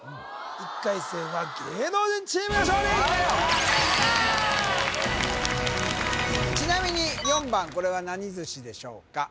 １回戦は芸能人チームの勝利ちなみに４番これは何ずしでしょうか？